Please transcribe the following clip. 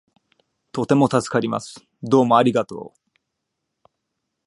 とても助かります。どうもありがとう